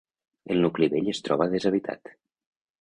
El nucli vell es troba deshabitat.